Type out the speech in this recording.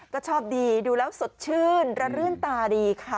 ก็ชอบดีดูแล้วสดชื่นระรื่นตาดีค่ะ